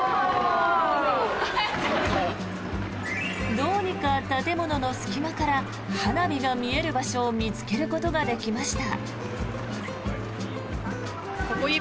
どうにか建物の隙間から花火が見える場所を見つけることができました。